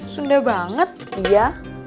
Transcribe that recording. sunda banget iya